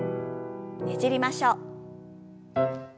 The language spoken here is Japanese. ねじりましょう。